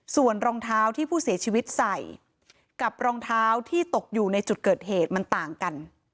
ส่วนรองเท้าที่ผู้เสียชีวิตใส่กับรองเท้าที่ตกอยู่ในจุดเกิดเหตุมันต่างกัน